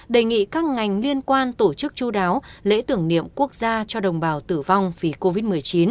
đề nghị các ngành liên quan tổ chức chú đáo lễ tưởng niệm quốc gia cho đồng bào tử vong vì covid một mươi chín